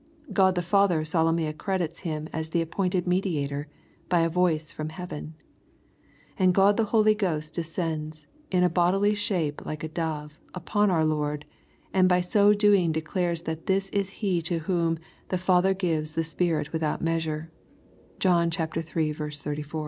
God the Father solemnly accredits Him as the appointed Mediator, by a voice from heaven. God the Holy Ghost descends *' in a bodily shape like a dove" upon our Lord, and by so doing declares that this is He to whom ^^ the Father gives the Spirit without measure/' (John iiL 34.)